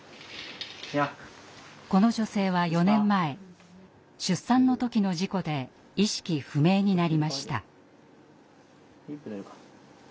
この女性は４年前出産の時の事故で意識不明になりました。